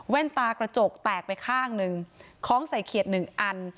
ตากระจกแตกไปข้างหนึ่งคล้องใส่เขียดหนึ่งอัน